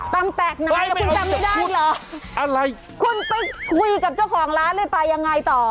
ตำแตกนายแต่คุณจำไม่ได้เหรออะไรคุณไปคุยกับเจ้าของร้านเลยไปยังไงต่อ